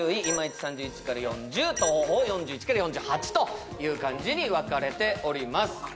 イマイチ３１から４０トホホ４１から４８という感じに分かれております